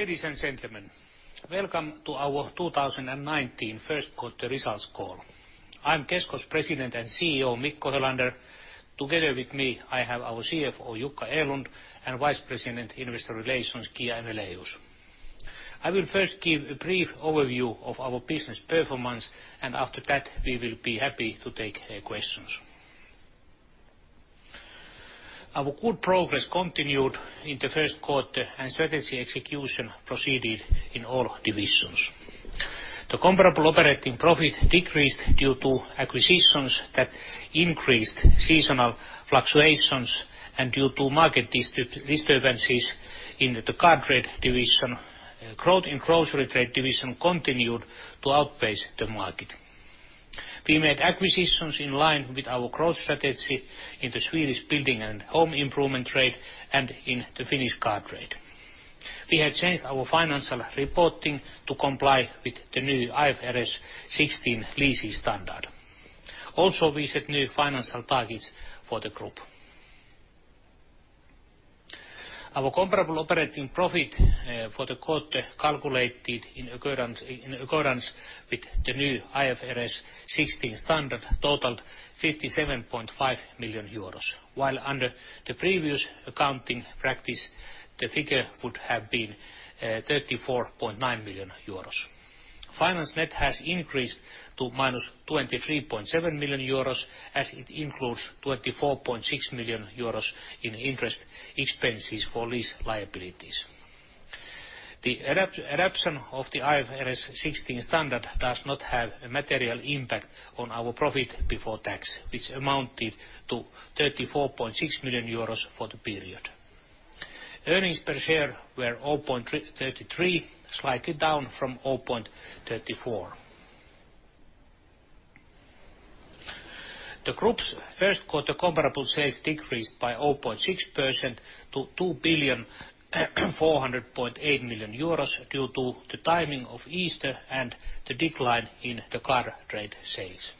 Ladies and gentlemen, welcome to our 2019 first quarter results call. I'm Kesko's President and CEO, Mikko Helander. Together with me, I have our CFO, Jukka Erlund, and Vice President, Investor Relations, Kia Aejmelaeus. I will first give a brief overview of our business performance, and after that, we will be happy to take questions. Our good progress continued in the first quarter and strategy execution proceeded in all divisions. The comparable operating profit decreased due to acquisitions that increased seasonal fluctuations and due to market disturbances in the car trade division. Growth in grocery trade division continued to outpace the market. We made acquisitions in line with our growth strategy in the Swedish building and home improvement trade and in the Finnish car trade. We have changed our financial reporting to comply with the new IFRS 16 leasing standard. We set new financial targets for the group. Our comparable operating profit for the quarter calculated in accordance with the new IFRS 16 standard totaled 57.5 million euros, while under the previous accounting practice, the figure would have been 34.9 million euros. Finance net has increased to minus 23.7 million euros, as it includes 24.6 million euros in interest expenses for lease liabilities. The adoption of the IFRS 16 standard does not have a material impact on our profit before tax, which amounted to 34.6 million euros for the period. Earnings per share were 0.33, slightly down from 0.34. The group's first quarter comparable sales decreased by 0.6% to 2 billion 400.8 million due to the timing of Easter and the decline in the car trade sales.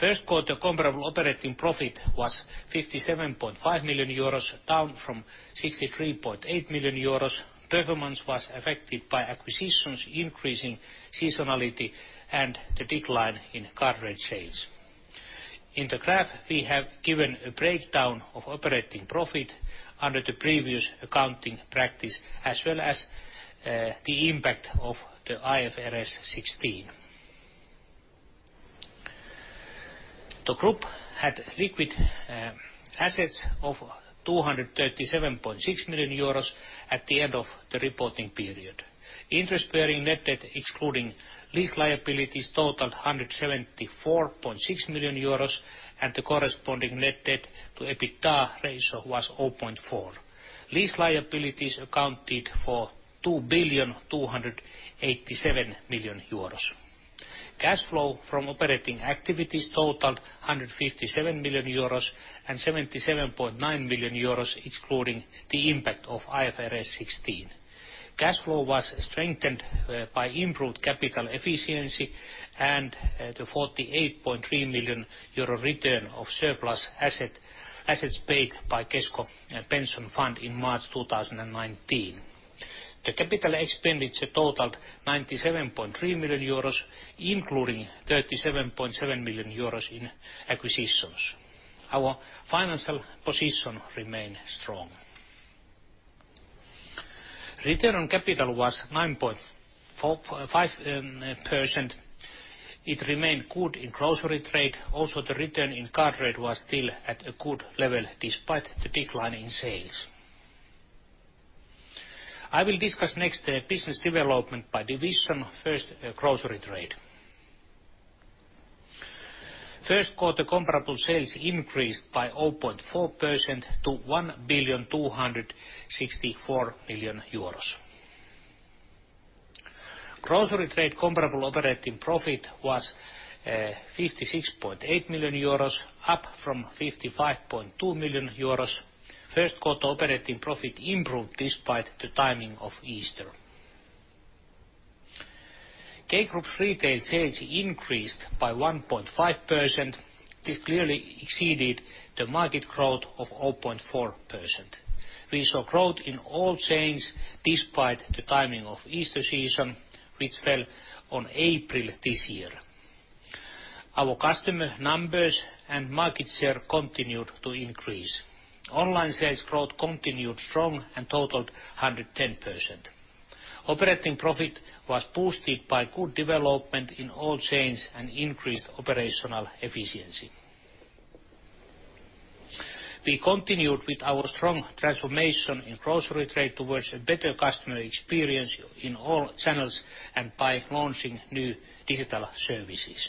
First quarter comparable operating profit was 57.5 million euros, down from 63.8 million euros. Performance was affected by acquisitions increasing seasonality and the decline in car trade sales. In the graph, we have given a breakdown of operating profit under the previous accounting practice as well as the impact of the IFRS 16. The group had liquid assets of 237.6 million euros at the end of the reporting period. Interest bearing net debt excluding lease liabilities totaled 174.6 million euros and the corresponding net debt to EBITDA ratio was 0.4. Lease liabilities accounted for 2 billion 287 million. Cash flow from operating activities totaled 157 million euros and 77.9 million euros, excluding the impact of IFRS 16. Cash flow was strengthened by improved capital efficiency and the 48.3 million euro return of surplus assets paid by Kesko Pension Fund in March 2019. The capital expenditure totaled 97.3 million euros, including 37.7 million euros in acquisitions. Our financial position remained strong. Return on capital was 9.5%. It remained good in grocery trade. The return in car trade was still at a good level despite the decline in sales. I will discuss next the business development by division, first grocery trade. First quarter comparable sales increased by 0.4% to 1 billion 264 million. Grocery trade comparable operating profit was 56.8 million euros, up from 55.2 million euros. First quarter operating profit improved despite the timing of Easter. K Group's retail sales increased by 1.5%. This clearly exceeded the market growth of 0.4%. We saw growth in all chains despite the timing of Easter season, which fell on April this year. Our customer numbers and market share continued to increase. Online sales growth continued strong and totaled 110%. Operating profit was boosted by good development in all chains and increased operational efficiency. We continued with our strong transformation in grocery trade towards a better customer experience in all channels and by launching new digital services.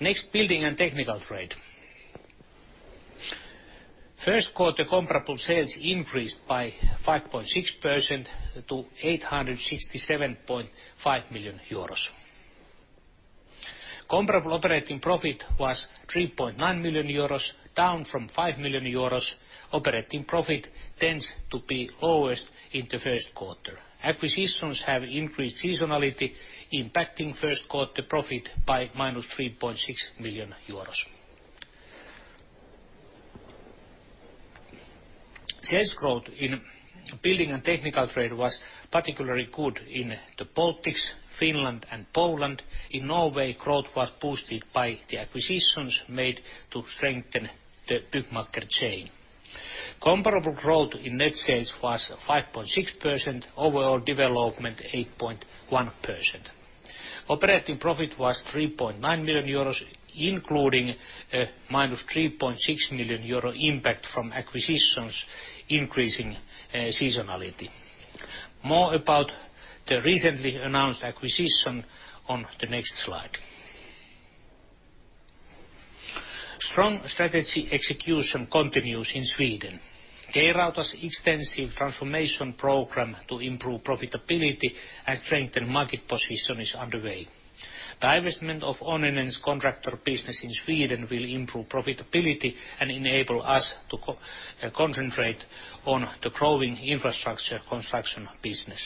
Next, building and technical trade. First quarter comparable sales increased by 5.6% to 867.5 million euros. Comparable operating profit was 3.9 million euros, down from 5 million euros. Operating profit tends to be lowest in the first quarter. Acquisitions have increased seasonality, impacting first quarter profit by minus 3.6 million euros. Sales growth in building and technical trade was particularly good in the Baltics, Finland, and Poland. In Norway, growth was boosted by the acquisitions made to strengthen the Byggmakker chain. Comparable growth in net sales was 5.6%, overall development 8.1%. Operating profit was 3.9 million euros, including a minus 3.6 million euro impact from acquisitions increasing seasonality. More about the recently announced acquisition on the next slide. Strong strategy execution continues in Sweden. K-Rauta's extensive transformation program to improve profitability and strengthen market position is underway. Divestment of Onninen's contractor business in Sweden will improve profitability and enable us to concentrate on the growing infrastructure construction business.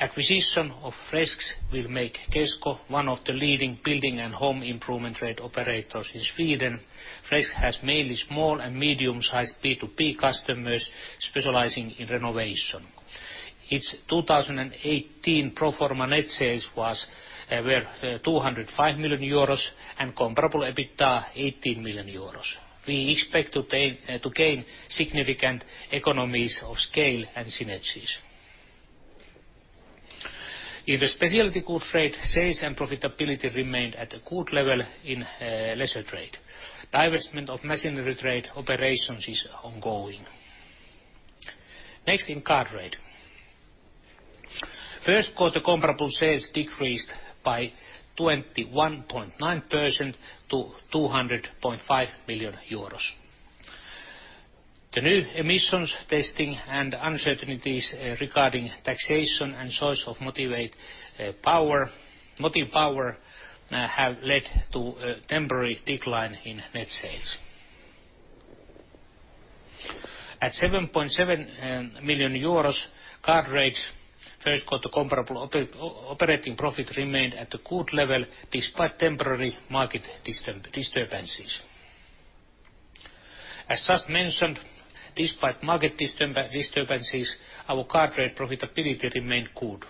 Acquisition of Fresks will make Kesko one of the leading building and home improvement trade operators in Sweden. Fresks has mainly small and medium sized B2B customers specializing in renovation. Its 2018 pro forma net sales were 205 million euros and comparable EBITDA 18 million euros. We expect to gain significant economies of scale and synergies. In the specialty goods trade, sales and profitability remained at a good level in leisure trade. Divestment of machinery trade operations is ongoing. Next, in car trade. First quarter comparable sales decreased by 21.9% to EUR 200.5 million. The new emissions testing and uncertainties regarding taxation and choice of motive power have led to a temporary decline in net sales. At EUR 7.7 million, car trade first quarter comparable operating profit remained at a good level despite temporary market disturbances. As just mentioned, despite market disturbances, our car trade profitability remained good.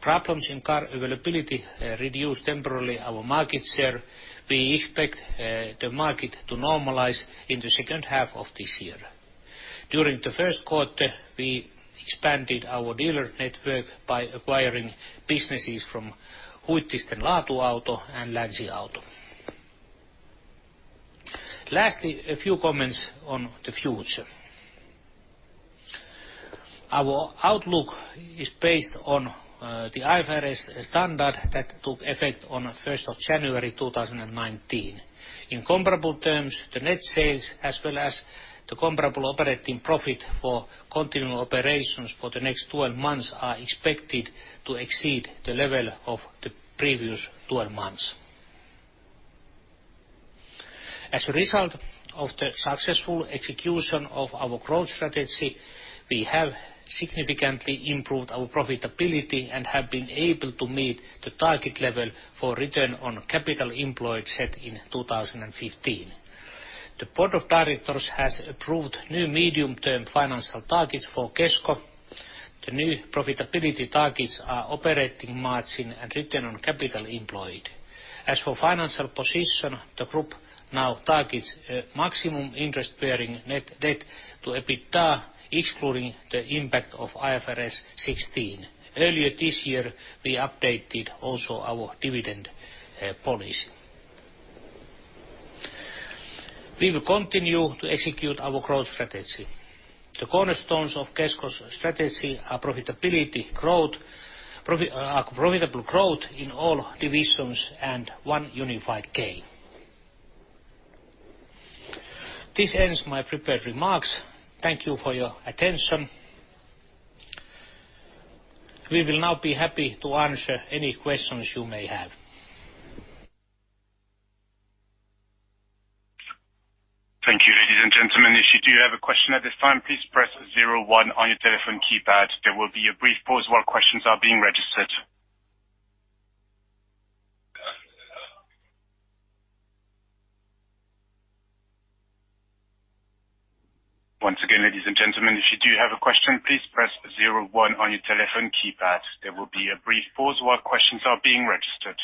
Problems in car availability reduced temporarily our market share. We expect the market to normalize in the second half of this year. During the first quarter, we expanded our dealer network by acquiring businesses from Huittisten Laatuauto and LänsiAuto. Lastly, a few comments on the future. Our outlook is based on the IFRS standard that took effect on the 1st of January, 2019. In comparable terms, the net sales as well as the comparable operating profit for continuing operations for the next 12 months are expected to exceed the level of the previous 12 months. As a result of the successful execution of our growth strategy, we have significantly improved our profitability and have been able to meet the target level for return on capital employed set in 2015. The board of directors has approved new medium term financial targets for Kesko. The new profitability targets are operating margin and return on capital employed. As for financial position, the group now targets maximum interest-bearing net debt to EBITDA, excluding the impact of IFRS 16. Earlier this year, we updated also our dividend policy. We will continue to execute our growth strategy. The cornerstones of Kesko's strategy are profitable growth in all divisions and one unified K. This ends my prepared remarks. Thank you for your attention. We will now be happy to answer any questions you may have. Thank you, ladies and gentlemen. If you do have a question at this time, please press 01 on your telephone keypad. There will be a brief pause while questions are being registered. Once again, ladies and gentlemen, if you do have a question, please press 01 on your telephone keypad. There will be a brief pause while questions are being registered.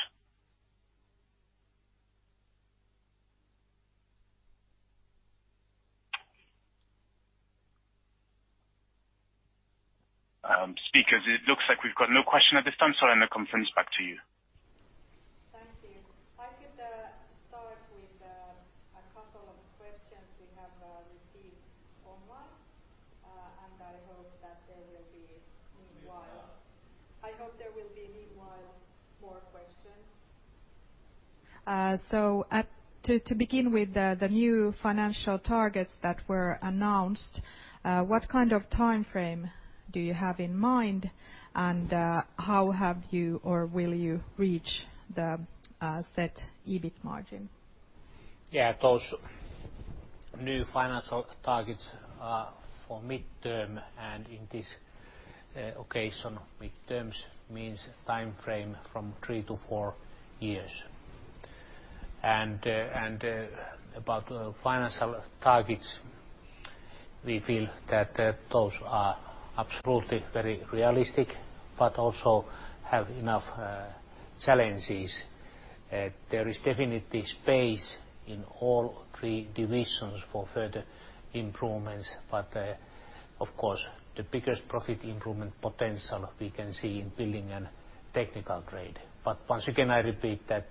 Speakers, it looks like we've got no question at this time. I'll hand the conference back to you. Thank you. I could start with a couple of questions we have received online. I hope there will be meanwhile more questions. To begin with the new financial targets that were announced, what kind of timeframe do you have in mind and how have you or will you reach the set EBIT margin? Those new financial targets are for midterm. In this occasion, midterms means time frame from three to four years. About financial targets, we feel that those are absolutely very realistic, but also have enough challenges. There is definitely space in all three divisions for further improvements. Of course, the biggest profit improvement potential we can see in building and technical trade. Once again, I repeat that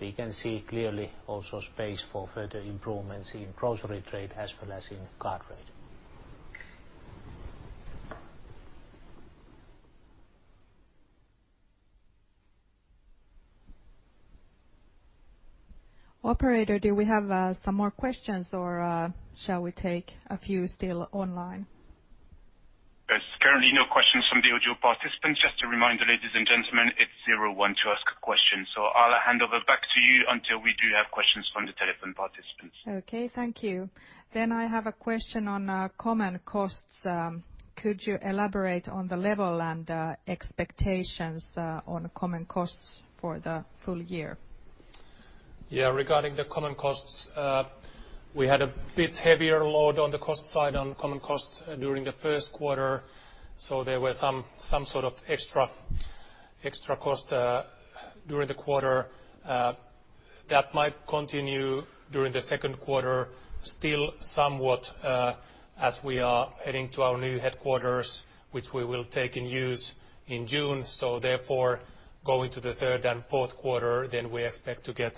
we can see clearly also space for further improvements in grocery trade as well as in car trade. Operator, do we have some more questions or shall we take a few still online? There's currently no questions from the audio participants. Just to remind you, ladies and gentlemen, it's zero one to ask a question. I'll hand over back to you until we do have questions from the telephone participants. Okay, thank you. I have a question on common costs. Could you elaborate on the level and expectations on common costs for the full year? Regarding the common costs, we had a bit heavier load on the cost side on common costs during the first quarter, there were some sort of extra cost during the quarter. That might continue during the second quarter still somewhat as we are heading to our new headquarters, which we will take in use in June. Going to the third and fourth quarter, we expect to get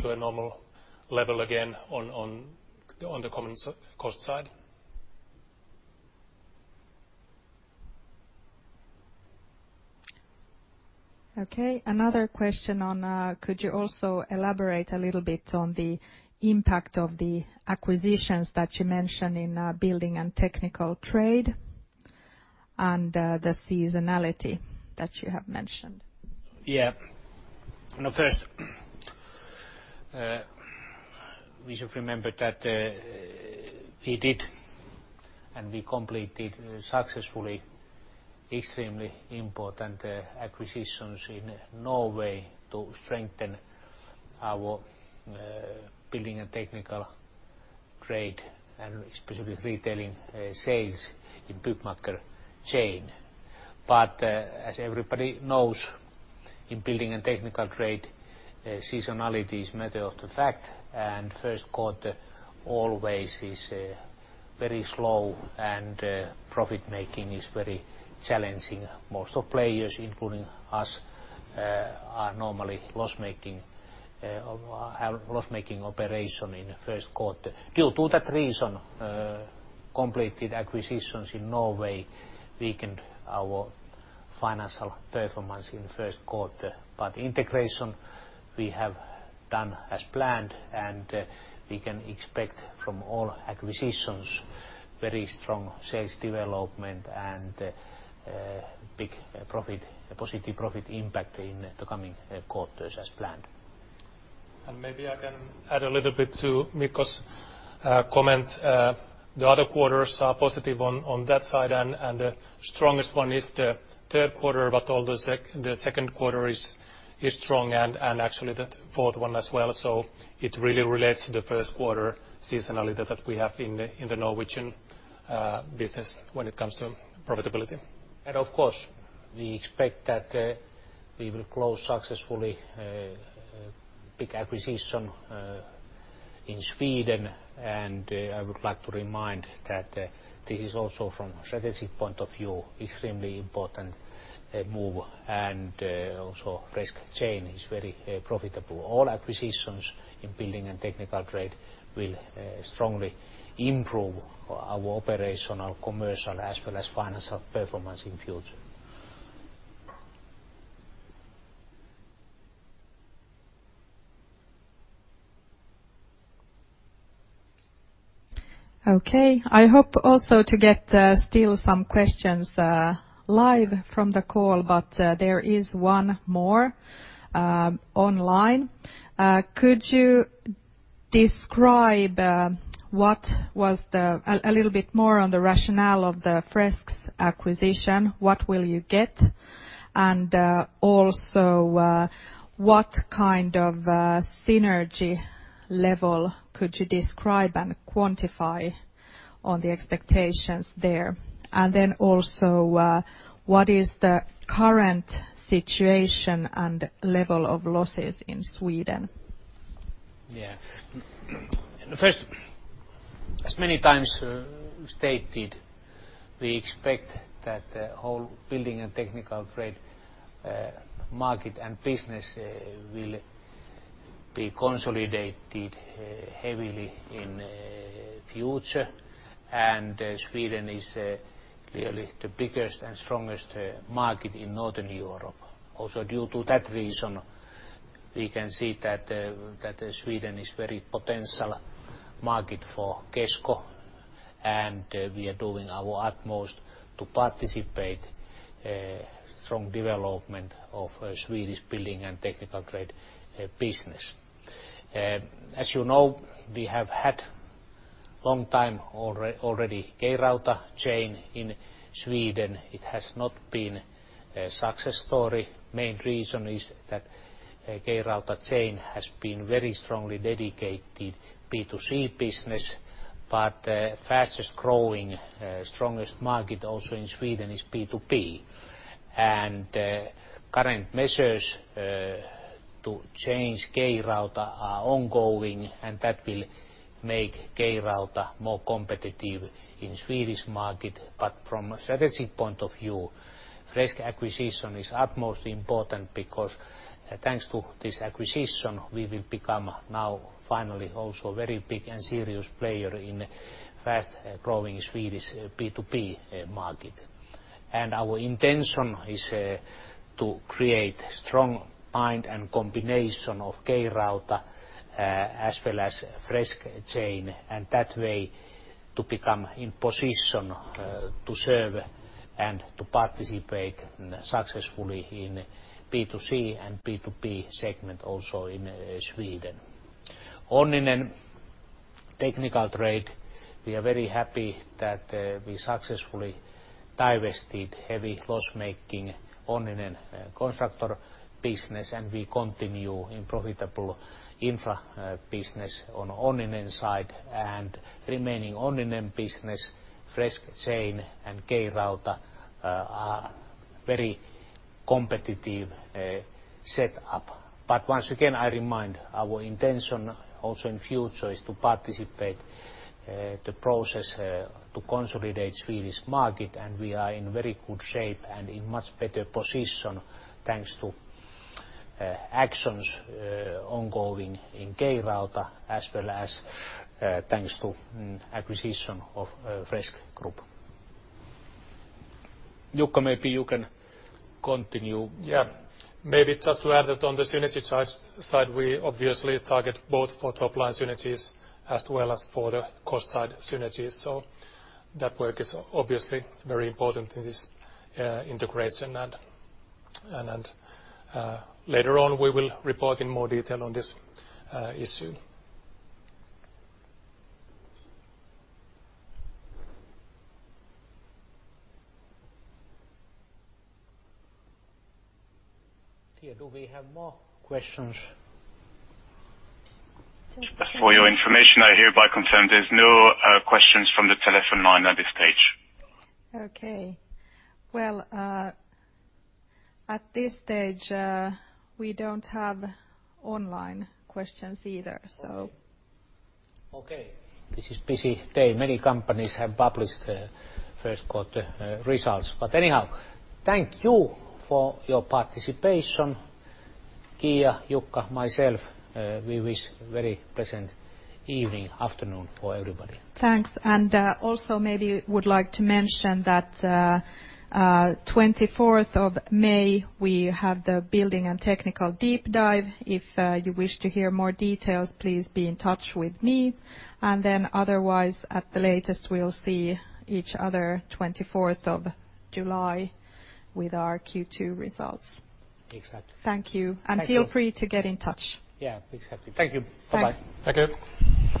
to a normal level again on the common cost side. Okay, another question, could you also elaborate a little bit on the impact of the acquisitions that you mentioned in building and technical trade and the seasonality that you have mentioned? Yeah. First, we should remember that we did and we completed successfully extremely important acquisitions in Norway to strengthen our building and technical trade and specific retailing sales in Byggmakker chain. As everybody knows, in building and technical trade, seasonality is matter of the fact, and first quarter always is very slow and profit-making is very challenging. Most of players, including us, are normally loss-making operation in the first quarter. Due to that reason, completed acquisitions in Norway weakened our financial performance in first quarter. Integration we have done as planned, and we can expect from all acquisitions very strong sales development and big profit, positive profit impact in the coming quarters as planned. Maybe I can add a little bit to Mikko's comment. The other quarters are positive on that side, and the strongest one is the third quarter, but although the second quarter is strong and actually the fourth one as well. It really relates to the first quarter seasonality that we have in the Norwegian business when it comes to profitability. Of course, we expect that we will close successfully a big acquisition in Sweden. I would like to remind that this is also from strategic point of view, extremely important move and also Fresks chain is very profitable. All acquisitions in building and technical trade will strongly improve our operational commercial as well as financial performance in future. Okay. I hope also to get still some questions live from the call, but there is one more online. Could you describe a little bit more on the rationale of the Fresks' acquisition, what will you get? Also what kind of synergy level could you describe and quantify on the expectations there? Also what is the current situation and level of losses in Sweden? First, as many times stated, we expect that the whole building and technical trade market and business will be consolidated heavily in future. Sweden is clearly the biggest and strongest market in Northern Europe. Also, due to that reason, we can see that Sweden is very potential market for Kesko. We are doing our utmost to participate strong development of Swedish building and technical trade business. As you know, we have had long time already K-Rauta chain in Sweden. It has not been a success story. Main reason is that K-Rauta chain has been very strongly dedicated B2C business, but fastest growing, strongest market also in Sweden is B2B. Current measures to change K-Rauta are ongoing, and that will make K-Rauta more competitive in Swedish market. From a strategic point of view, Fresks acquisition is utmost important because thanks to this acquisition, we will become now finally also very big and serious player in fast growing Swedish B2B market. Our intention is to create strong bind and combination of K-Rauta as well as Fresks chain, and that way to become in position to serve and to participate successfully in B2C and B2B segment also in Sweden. Onninen technical trade, we are very happy that we successfully divested heavy loss-making Onninen contractor business, and we continue in profitable infra business on Onninen side and remaining Onninen business, Fresks chain and K-Rauta are very competitive set up. Once again, I remind our intention also in future is to participate the process to consolidate Swedish market, and we are in very good shape and in much better position thanks to actions ongoing in K-Rauta as well as thanks to acquisition of Fresks Group. Jukka, maybe you can continue. Maybe just to add that on the synergy side, we obviously target both for top line synergies as well as for the cost side synergies. That work is obviously very important in this integration and later on we will report in more detail on this issue. Kia, do we have more questions? For your information, I hereby confirm there's no questions from the telephone line at this stage. Okay. Well, at this stage we don't have online questions either. Okay. This is busy day. Many companies have published their first quarter results. Anyhow, thank you for your participation. Kia, Jukka, myself, we wish very pleasant evening, afternoon for everybody. Thanks. Also maybe would like to mention that 24th of May we have the building and technical deep dive. If you wish to hear more details, please be in touch with me. Otherwise at the latest we'll see each other 24th of July with our Q2 results. Exactly. Thank you. Thank you. Feel free to get in touch. Yeah, exactly. Thank you. Bye-bye. Thank you.